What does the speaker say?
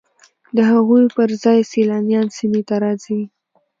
د هغوی پر ځای سیلانیان سیمې ته راځي